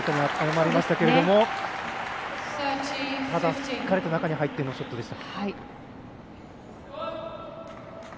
しっかりと中に入ってのショットでした。